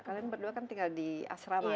kalian berdua kan tinggal di asrama ya